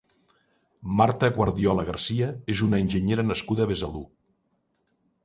Marta Guardiola Garcia és una enginyera nascuda a Besalú.